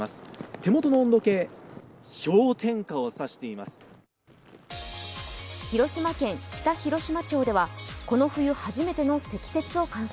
手元の温度計広島県北広島町ではこの冬初めての積雪を観測。